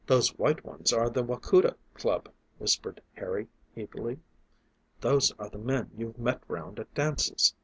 "Those white ones are the Wacouta Club," whispered Harry eagerly. "Those are the men you've met round at dances."